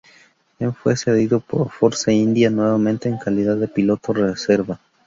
En fue cedido a Force India, nuevamente en calidad de piloto reserva.